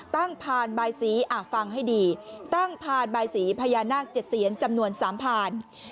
ตั้งผ่านใบสีฟังให้ดีตั้งผ่านใบสีพญานาค๗เสียนจำนวน๓ผ่าน